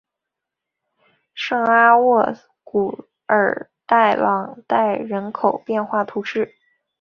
圣阿沃古尔代朗代人口变化图示